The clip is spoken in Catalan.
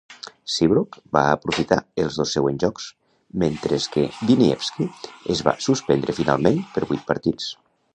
Seabrook va desaprofitar els dos següents jocs, mentre que Wisniewski es va suspendre finalment per vuit partits.